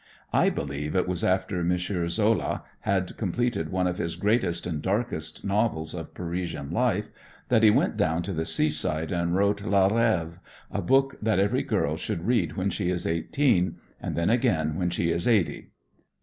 I believe it was after M. Zola had completed one of his greatest and darkest novels of Parisian life that he went down to the seaside and wrote "La Reve," a book that every girl should read when she is eighteen, and then again when she is eighty.